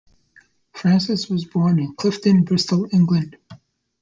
Francis was born in Clifton, Bristol, England.